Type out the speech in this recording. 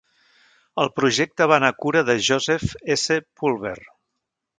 El projecte va anar a cura de Joseph S. Pulver.